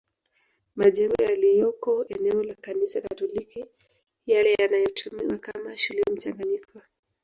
Majengo yaliyoko eneo la Kanisa Katoliki yale yanayotumiwa kama shule mchanganyiko